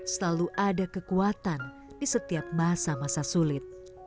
selalu ada kekuatan di setiap masa masa sulit